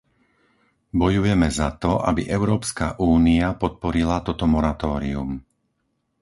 Bojujeme za to, aby Európska únia podporila toto moratórium.